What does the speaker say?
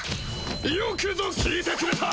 よくぞ聞いてくれた！